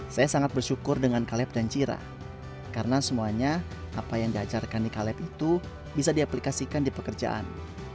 saya sangat bersyukur dengan caleb dan cira karena semuanya apa yang diajarkan di caleb itu bisa diaplikasikan di pekerjaan